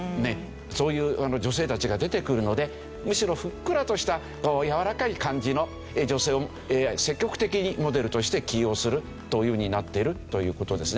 そういう女性たちが出てくるのでむしろふっくらとしたやわらかい感じの女性を積極的にモデルとして起用するというふうになっているという事ですね。